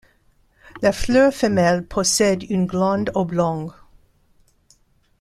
La fleur femelle possède une glande oblongue.